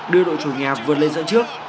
đưa đội chủ nhà vượt lên dẫn trước